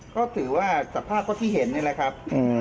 ก็ถือว่าสภาพก็ที่เห็นนี่แหละครับ